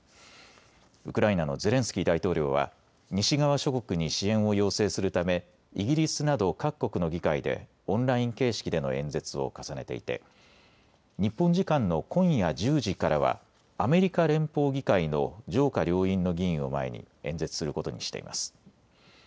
ウクライナのゼレンスキー大統領は西側諸国に支援を要請するためイギリスなど各国の議会でオンライン形式での演説を重ねていて日本時間の今夜１０時からはアメリカ連邦議会の上下両院の議員を前に演説することにしています。